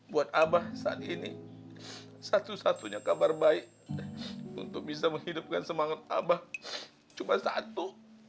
buat abah saat ini satu satunya kabar baik untuk bisa menghidupkan semangat abah cuma satu